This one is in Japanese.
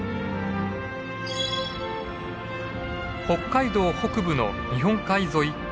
北海道北部の日本海沿い